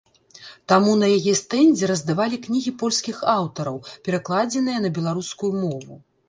Таму на яе стэндзе раздавалі кнігі польскіх аўтараў, перакладзеныя на беларускую мову.